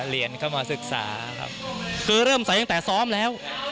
เรียนเข้ามาศึกษาครับคือเริ่มใส่ตั้งแต่ซ้อมแล้ว